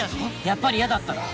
やっぱり嫌だったろ